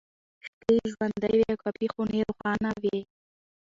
شپې یې ژوندۍ وې او کافيخونې روښانه وې.